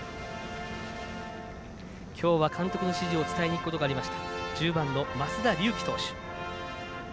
今日は監督の指示を伝えに行くことがありました１０番の増田竜輝選手。